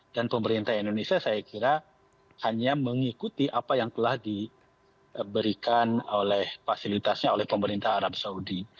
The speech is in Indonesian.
dan pemerintah indonesia saya kira hanya mengikuti apa yang telah diberikan fasilitasnya oleh pemerintah arab saudi